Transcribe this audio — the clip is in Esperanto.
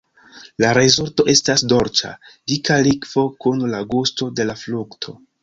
La rezulto estas dolĉa, dika likvo kun la gusto de la frukto.